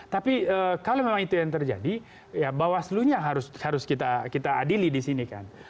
tapi kalau memang itu yang terjadi ya bawaslu nya harus kita adili di sini kan